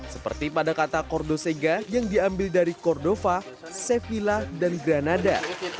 seperti pada kata kordosega yang diambil dari kordova sevilla dan granada